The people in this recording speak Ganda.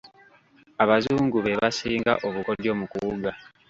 Abazungu be basinga obukodyo mu kuwuga.